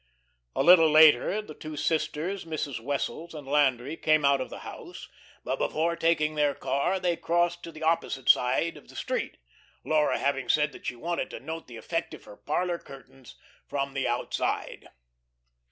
A little later the two sisters, Mrs. Wessels, and Landry came out of the house, but before taking their car they crossed to the opposite side of the street, Laura having said that she wanted to note the effect of her parlour curtains from the outside.